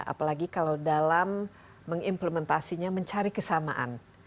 apalagi kalau dalam mengimplementasinya mencari kesamaan